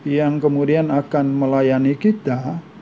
yang kemudian akan melayani kita